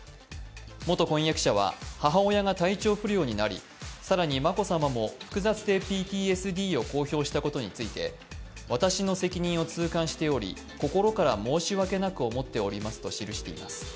元婚約者は母親が体調不良になり更に眞子さまも複雑性ＰＴＳＤを公表したことについて私の責任を痛感しており、心から申し訳なく思っておりますと記しています。